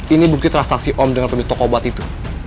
ini bukti transaksi om dengan pemilik toko obat itu